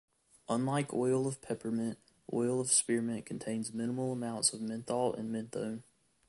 Unlike oil of peppermint, oil of spearmint contains minimal amounts of menthol and menthone.